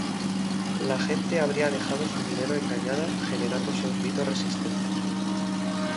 La gente habría dejado su dinero engañada generándose un mito resistente.